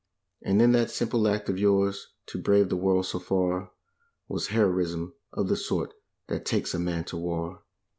And in that simple act of yours, to brave the world so far Was heroism of the sort that takes a man to war.